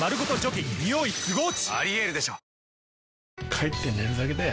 帰って寝るだけだよ